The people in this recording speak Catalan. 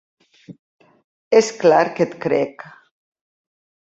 És clar que et crec.